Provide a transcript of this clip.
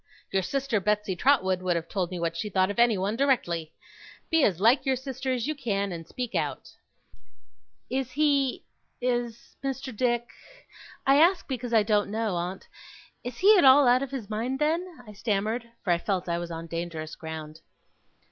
Your sister Betsey Trotwood would have told me what she thought of anyone, directly. Be as like your sister as you can, and speak out!' 'Is he is Mr. Dick I ask because I don't know, aunt is he at all out of his mind, then?' I stammered; for I felt I was on dangerous ground.